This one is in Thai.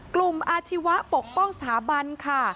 อาชีวะปกป้องสถาบันค่ะ